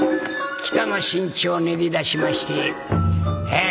北の新地を練りだしましてえ